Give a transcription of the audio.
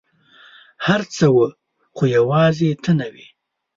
هر څه وه ، خو یوازي ته نه وې !